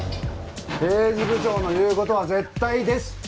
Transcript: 刑事部長の言うことは絶対です！